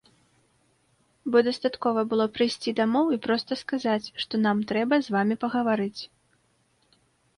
Бо дастаткова было прыйсці дамоў і проста сказаць, што нам трэба з вамі пагаварыць.